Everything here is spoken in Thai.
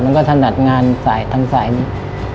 มันก็ถนัดงานทางสายนี้